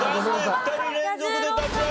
２人連続で脱落。